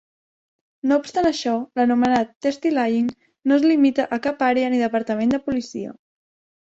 No obstant això, l'anomenat "testilying" no es limita a cap àrea ni departament de policia.